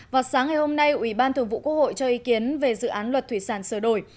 vào sáng ngày hôm nay ủy ban thường vụ quốc hội cho ý kiến về dự án luật thủy sản sửa đổi